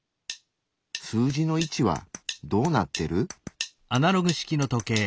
数字の位置はどうなってる？